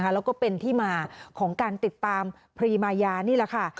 แล้วก็เป็นที่มาของการติดตามพรีมายานี่แหละค่ะ